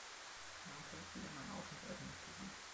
Er nahm Volkslieder neu auf und veröffentlichte sie.